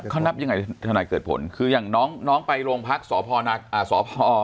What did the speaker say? เขานับยังไงถนัดเกิดผลคืออย่างน้องน้องไปโรงพักษณ์สภนอ่าสภ